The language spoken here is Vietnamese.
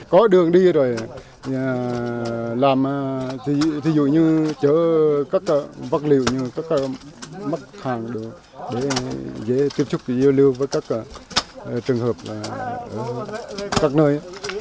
có đường đi rồi làm thí dụ như chở các vật liệu các mắc hàng để tiếp xúc với các trường hợp ở các nơi